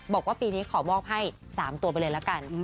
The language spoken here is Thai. บอกว่าปีนี้ขอมอบให้๓ตัวไปเลยละกัน